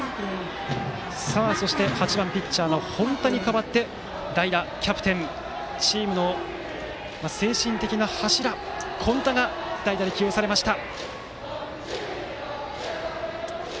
そして、８番ピッチャーの本田に代わってキャプテン、チームの精神的な柱今田が代打で起用されました。